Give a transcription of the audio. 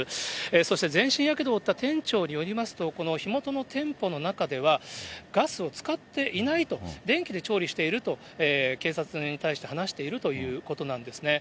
そして全身やけどを負った店長によりますと、この火元の店舗の中では、ガスを使っていないと、電気で調理していると警察に対して話しているということなんですね。